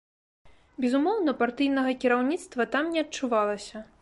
Безумоўна, партыйнага кіраўніцтва там не адчувалася.